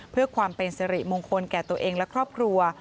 เพื่อความเป็นสิริมงคลแก่ตัวเองและครอบครัว